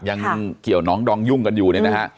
ยังเกี่ยวน้องดองยุ่งกันอยู่เนี่ยนะฮะ